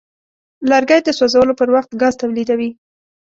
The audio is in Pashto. لرګی د سوځولو پر وخت ګاز تولیدوي.